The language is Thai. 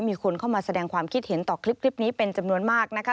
มีคนเข้ามาแสดงความคิดเห็นต่อคลิปนี้เป็นจำนวนมากนะคะ